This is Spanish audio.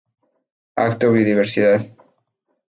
Acto Biodiversidad.